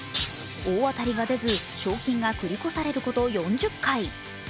大当たりが出ず、賞金が繰り越されること４０回。